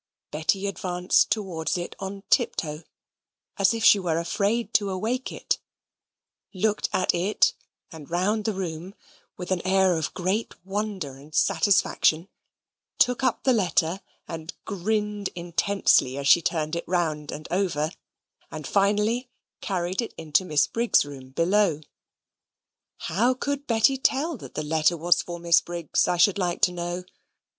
Betty advanced towards it on tiptoe, as if she were afraid to awake it looked at it, and round the room, with an air of great wonder and satisfaction; took up the letter, and grinned intensely as she turned it round and over, and finally carried it into Miss Briggs's room below. How could Betty tell that the letter was for Miss Briggs, I should like to know?